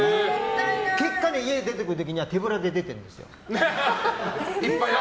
結果、家出てくる時には手ぶらで出てくるんですよ。